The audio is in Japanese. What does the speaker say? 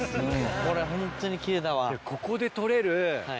これホントに奇麗だわ。